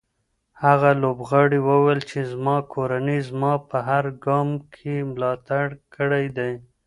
هغه لوبغاړی وویل چې زما کورنۍ زما په هر ګام کې ملاتړ کړی دی.